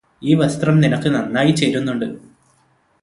ഈ വസ്ത്രം നിനക്ക് നന്നായി ചേരുന്നുണ്ട്